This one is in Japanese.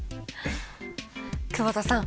久保田さん